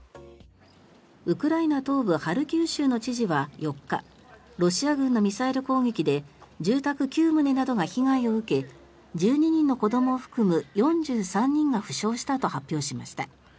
ウクライナ東部ハルキウ州の知事は４日ロシア軍のミサイル攻撃で住宅９棟などが被害を受け１２人の子どもを含む４３人が負傷したと発表しました。